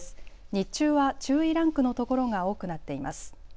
日中は注意ランクのところが多くなっています。